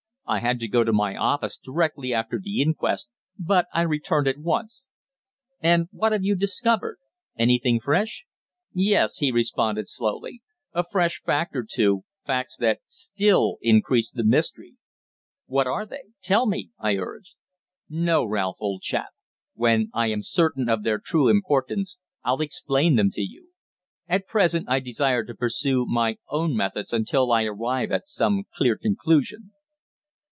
"I had to go to my office directly after the inquest, but I returned at once." "And what have you discovered? Anything fresh?" "Yes," he responded slowly. "A fresh fact or two facts that still increase the mystery." "What are they? Tell me," I urged. "No, Ralph, old chap. When I am certain of their true importance I'll explain them to you. At present I desire to pursue my own methods until I arrive at some clear conclusion."